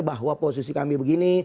bahwa posisi kami begini